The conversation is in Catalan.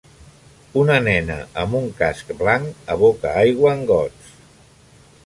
Una nena amb un casc blanc aboca aigua en gots